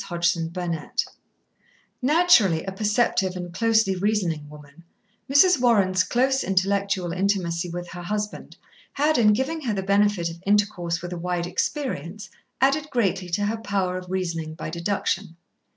Chapter Twenty one Naturally a perceptive and closely reasoning woman, Mrs. Warren's close intellectual intimacy with her husband had, in giving her the benefit of intercourse with a wide experience, added greatly to her power of reasoning by deduction.